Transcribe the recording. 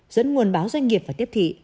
dẫn nguồn báo doanh nghiệp và tiếp thị